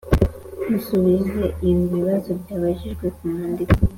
Musubize ibi bibazo byabajijwe ku mwandiko